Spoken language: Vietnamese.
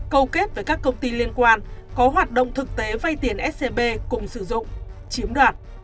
câu kết với các công ty liên quan có hoạt động thực tế vay tiền scb cùng sử dụng chiếm đoạt